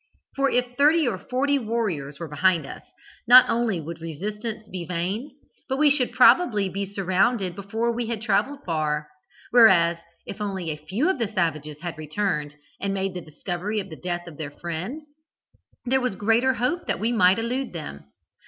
For if thirty or forty warriors were behind us, not only would resistance be vain, but we should probably be surrounded before we had travelled far, whereas if only a few of the savages had returned, and made the discovery of the death of their friends, there was greater hope that we might elude them.